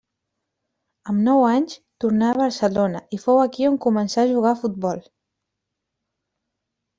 Amb nou anys, tornà a Barcelona i fou aquí on començà a jugar a futbol.